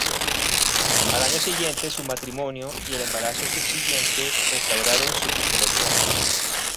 Al año siguiente, su matrimonio y el embarazo subsiguiente restauraron su popularidad.